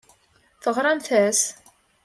Teɣramt-as?